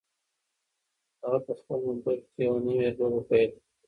هغه په خپل موبایل کې یوه نوې لوبه پیل کړه.